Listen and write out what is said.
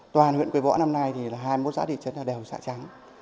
toàn huyện quế võ năm nay thì hai mốt xã thị trấn là đều xã trắng